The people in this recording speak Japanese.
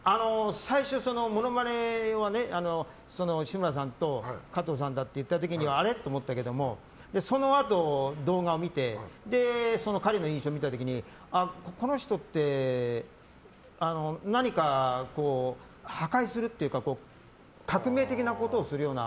最初、モノマネは志村さんと加藤さんだって言った時にはあれ？って思ったけどもそのあと動画見て彼の印象を見た時に、この人って何か破壊するっていうか革命的なことをするような。